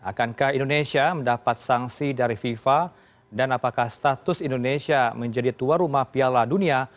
akankah indonesia mendapat sanksi dari fifa dan apakah status indonesia menjadi tuan rumah piala dunia